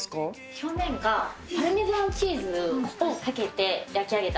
表面がパルメザンチーズをかけて焼き上げた。